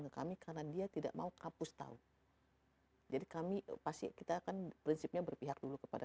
ke kami karena dia tidak mau kapus tahu jadi kami pasti kita akan prinsipnya berpihak dulu kepada